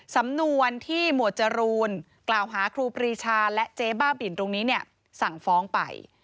สำนวนที่หมวดจรูนกล่าวหาครูปรีชาและเจ๊บ้าบินตรงนี้เนี่ยสั่งฟ้องไป